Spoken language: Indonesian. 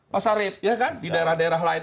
pak sari di daerah daerah lain